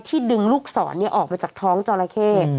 ที่ดึงลูกศรนี่ออกมาจากท้องจรเข้